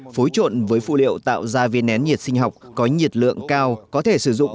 phối trộn với phụ liệu tạo ra viên nén nhiệt sinh học có nhiệt lượng cao có thể sử dụng